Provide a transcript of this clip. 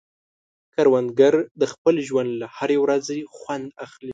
کروندګر د خپل ژوند له هرې ورځې خوند اخلي